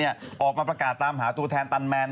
ออกมาประกาศตามหาตัวแทนตันแมน